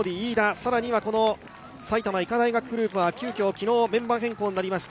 更には埼玉医科大学グループは急きょ、昨日メンバー変更になりました